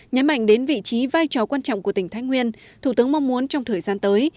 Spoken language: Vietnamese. nhấn mạnh đến vị trí vai trò quan trọng của tỉnh thái nguyên thủ tướng mong muốn trong thời gian tới